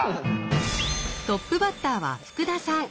トップバッターは福田さん。